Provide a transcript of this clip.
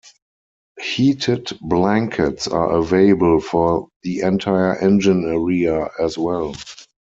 Heated blankets are available for the entire engine area, as well.